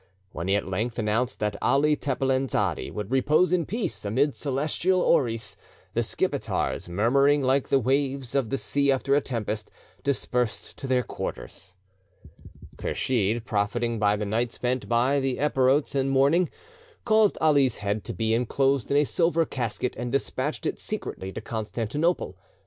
When he at length announced that Ali Tepelen Zadi would repose in peace amid celestial houris, the Skipetars, murmuring like the waves of the sea after a tempest, dispersed to their quarters: Kursheed, profiting by the night spent by the Epirotes in mourning, caused Ali's head to be en closed in a silver casket, and despatched it secretly to Constantinople.